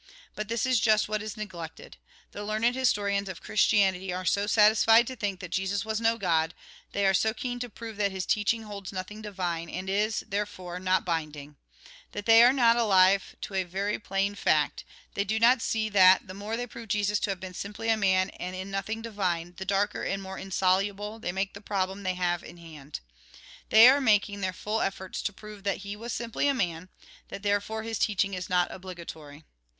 But this is just what is neglected. The learned historians of Christianity are so satisfied to think that Jesus was no God, they are so keen to prove that his teaching holds nothing divine, and is, therefore, not binding, that they are not alive to a very plain fact : they do not see that, the more they prove Jesus to have been simply a man, and in nothing divine, the darker and more insoluble they make the problem they have in hand. They are making their full efforts to prove that he was simply a man, that, therefore, his teaching is not obligatory.